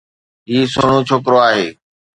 هي سهڻو ڇوڪرو آهي